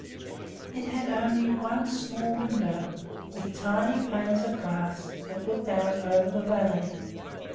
It had only one small window, with tiny panes of glass, that looked out over the valley.